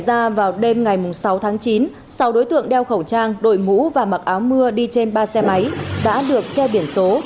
công an phường gia tam vào đêm ngày sáu tháng chín sau đối tượng đeo khẩu trang đổi mũ và mặc áo mưa đi trên ba xe máy đã được che biển số